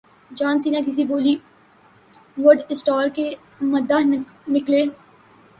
جان Cena کس Bollywood star کے مداح نکلے